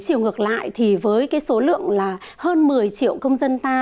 ở chiều ngược lại thì với số lượng hơn một mươi triệu công dân ta